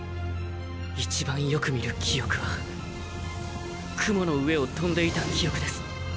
一番よく見る記憶は雲の上を飛んでいた記憶です。